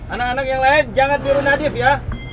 anak anak yang lain jangan biru nadief ya